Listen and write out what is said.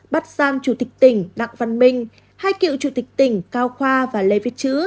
bắt giam chủ tịch tỉnh đặng văn minh hai cựu chủ tịch tỉnh cao khoa và lê viết chữ